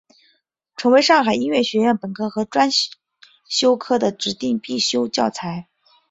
成为上海音乐学院本科和专修科的指定必修教材。